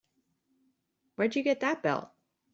Where'd you get that belt?